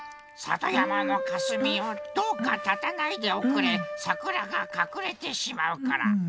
さとやまのかすみよどうかたたないでおくれさくらがかくれてしまうから。